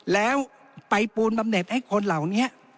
แล้วไปปูนบำเน็ตให้คนเหล่านี้